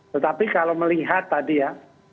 tetapi kalau melihat tadi ya